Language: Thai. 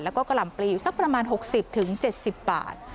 แล้วก็กะหล่ำปลีอยู่สักประมาณ๖๐๗๐บาท